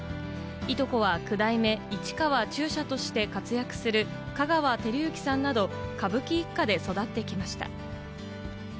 いとこは九代目・市川中車として活躍する香川照之さんなど、歌舞伎一家で育ってきました。